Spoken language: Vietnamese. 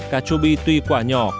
cà chua bi tuy quả nhỏ